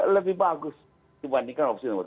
lebih bagus dibandingkan opsi nomor